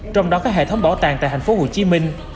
trong đó có hệ thống bảo tàng tại thành phố hồ chí minh